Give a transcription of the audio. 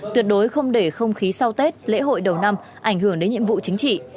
tuyệt đối không để không khí sau tết lễ hội đầu năm ảnh hưởng đến nhiệm vụ chính trị